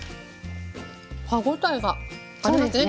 歯応えがありますね